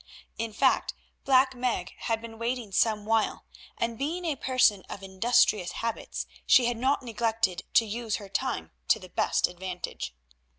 In fact Black Meg had been waiting some while, and being a person of industrious habits she had not neglected to use her time to the best advantage.